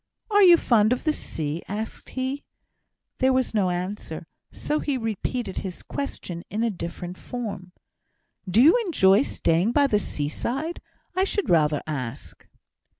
"Are you fond of the sea?" asked he. There was no answer, so he repeated his question in a different form. "Do you enjoy staying by the seaside? I should rather ask."